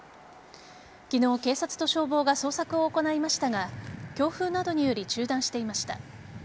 昨日警察と消防が捜索を行いましたが強風などにより中断していました。